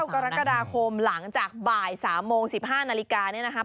กรกฎาคมหลังจากบ่าย๓โมง๑๕นาฬิกาเนี่ยนะครับ